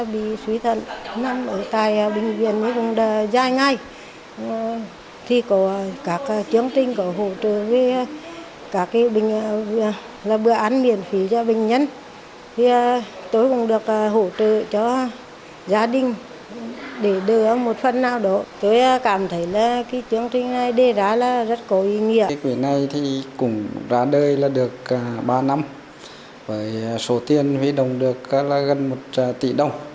bệnh viện đa khoa cũng ra đời được ba năm số tiền hỗ trợ được gần một tỷ đồng